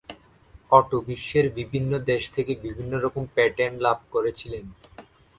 Auto বিশ্বের বিভিন্ন দেশ থেকে বিভিন্ন রকম পেটেন্ট লাভ করেছিলেন।